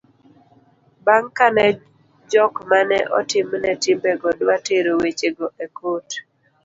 bang' kane jok mane otimne timbego dwa tero weche go e kot